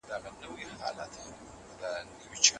د سباناري څخه ګټه د کلوریز سوځېدو سره تړاو لري.